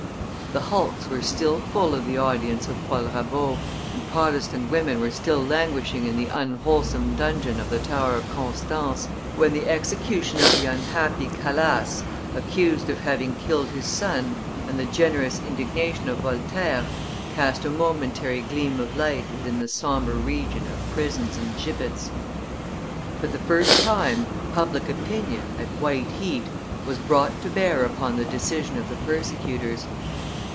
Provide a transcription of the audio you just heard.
The hulks were still full of the audience of Paul Rabaut, and Protestant women were still languishing in the unwholesome dungeon of the Tower of Constance, when the execution of the unhappy Calas, accused of having killed his son, and the generous indignation of Voltaire cast a momentary gleam of light within the sombre region of prisons and gibbets. For the first time, public opinion, at white heat, was brought to bear upon the decision of the persecutors.